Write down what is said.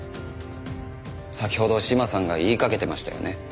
先ほど島さんが言いかけてましたよね。